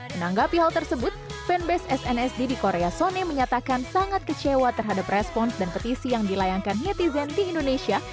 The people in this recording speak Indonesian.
menanggapi hal tersebut fanbase snsd di korea sone menyatakan sangat kecewa terhadap respons dan petisi yang dilayangkan netizen di indonesia